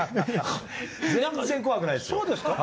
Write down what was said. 全然怖くないですよ。